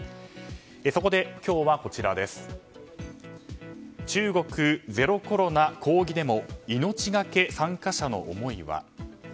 そこで今日は中国ゼロコロナ抗議デモ命がけ、参加者の思いは。